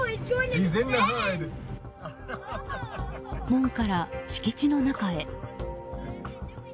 門から敷地の中へ。